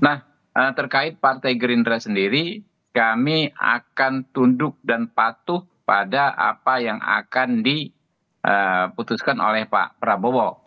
nah terkait partai gerindra sendiri kami akan tunduk dan patuh pada apa yang akan diputuskan oleh pak prabowo